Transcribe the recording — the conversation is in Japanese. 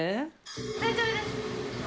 大丈夫です。